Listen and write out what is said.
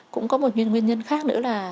cũng có một nguyên nhân khác nữa là